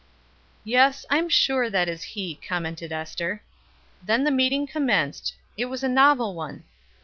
"Yes, I'm sure that is he," commented Ester. Then the meeting commenced; it was a novel one.